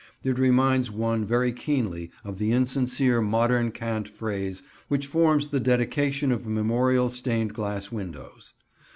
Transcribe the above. It reminds one very keenly of the insincere modern cant phrase which forms the dedication of memorial stained glass windows.